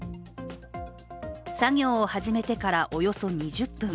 作業を始めてからおよそ２０分。